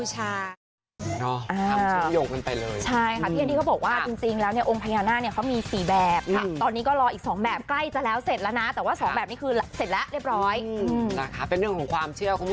ให้คนไปกลับไหว้บูชา